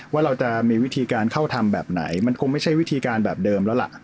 ว่าเราจะมีวิธีการเข้าทำแบบไหนมันคงไม่ใช่วิธีการแบบเดิมแล้วล่ะ